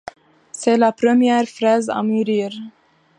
C'est la première fraise à murir.